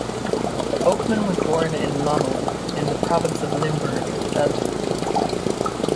Oakman was born in Lommel, in the province of Limburg, Belgium.